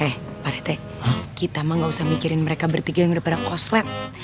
eh parite kita mah gak usah mikirin mereka bertiga yang udah pada koslet